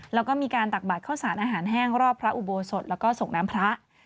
แล้วก็มีการตักบาดเข้าสารอาหารแห้งรอบพระอุโบสถแล้วก็ส่งน้ำพระ